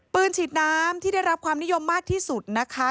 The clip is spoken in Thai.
ฉีดน้ำที่ได้รับความนิยมมากที่สุดนะคะ